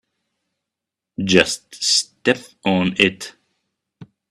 Just step on it.